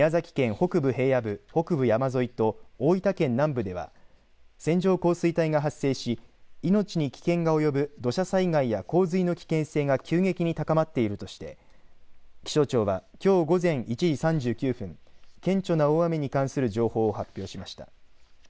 北部平野部、北部山沿いと大分県南部では線状降水帯が発生し命に危険が及ぶ土砂災害や洪水の危険性が急激に高まっているとして気象庁は、きょう午前１時３９分顕著な大雨に関する情報を発表しました。